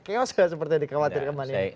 keos gak seperti yang dikhawatirkan manini